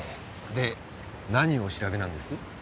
で何をお調べなんです？